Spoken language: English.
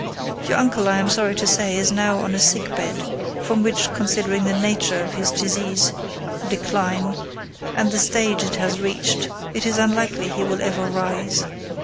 Your uncle, I am sorry to say, is now on a sick bed; from which, considering the nature of his disease—decline—and the stage it has reached, it is unlikely he will ever rise.